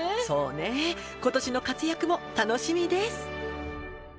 そうねぇ今年の活躍も楽しみです